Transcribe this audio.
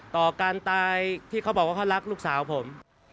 ต่อการตายที่เขาบอกว่าเขารักลูกสาวผม